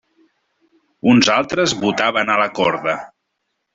Uns altres botaven a la corda.